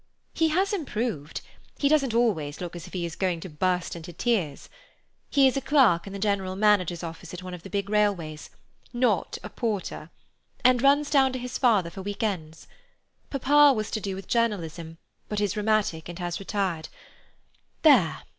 He has improved; he doesn't always look as if he's going to burst into tears. He is a clerk in the General Manager's office at one of the big railways—not a porter! and runs down to his father for week ends. Papa was to do with journalism, but is rheumatic and has retired. There!